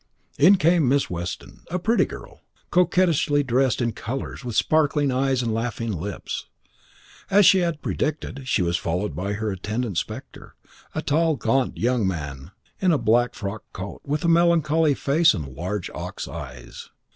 In came Miss Weston, a pretty girl, coquettishly dressed in colours, with sparkling eyes and laughing lips. As she had predicted, she was followed by her attendant spectre, a tall, gaunt young man in a black frock coat, with a melancholy face and large ox eyes.